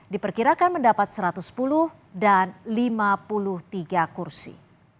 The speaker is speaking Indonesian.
diperkirakan mendapat satu ratus sepuluh dan lima puluh tiga kursi